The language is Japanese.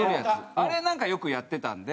あれなんかよくやってたんで。